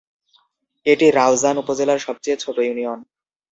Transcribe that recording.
এটি রাউজান উপজেলার সবচেয়ে ছোট ইউনিয়ন।